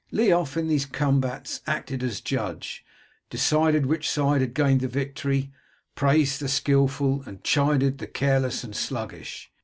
Leof in these combats acted as judge, decided which side had gained the victory, praised the skilful, and chided the careless and sluggish.